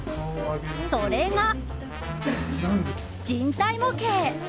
それが、人体模型！